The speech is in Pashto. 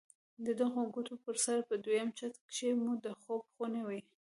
د دغو کوټو پر سر په دويم چت کښې مو د خوب خونې وې.